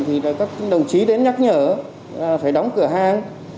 thì các đồng chí đến nhắc nhở phải đóng cửa hàng